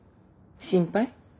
心配？